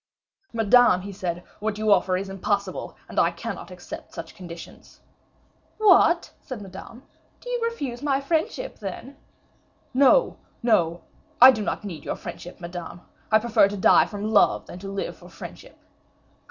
"Madame," he said, "what you offer is impossible, and I cannot accept such conditions." "What!" said Madame, "do you refuse my friendship, then?" "No, no! I do not need your friendship, Madame. I prefer to die from love, than to live for friendship."